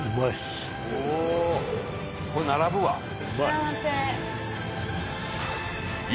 幸せ。